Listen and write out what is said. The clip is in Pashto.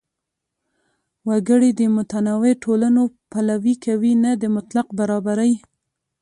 وګړي د متنوع ټولنو پلوي کوي، نه د مطلق برابرۍ.